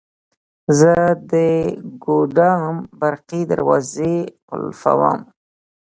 زه د ګودام برقي دروازې قلفووم.